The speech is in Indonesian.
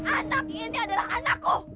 anak ini adalah anakku